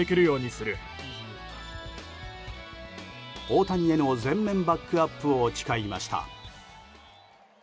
大谷への全面バックアップを誓いました。